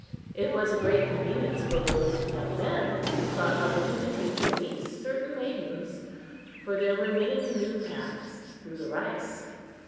It was a great convenience for those young men who sought opportunity to meet certain maidens, for there were many canoe paths through the rice.